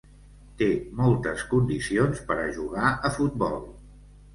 Té moltes condicions per a jugar a futbol.